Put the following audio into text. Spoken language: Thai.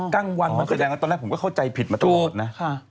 คืออย่างนั้นตอนแรกผมก็เข้าใจผิดมาตลอดนะ